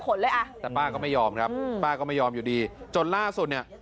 เลยอ่ะแต่ป้าก็ไม่ยอมครับป้าก็ไม่ยอมอยู่ดีจนล่าสุดเนี่ย